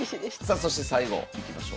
そして最後いきましょう。